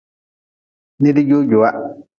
Nidjojoa.